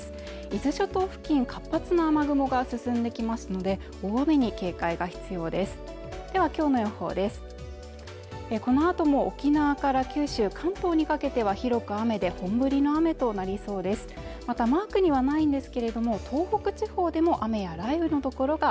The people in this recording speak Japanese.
伊豆諸島付近活発な雨雲が進んできますので大雨に警戒が必要ですではきょうの予報です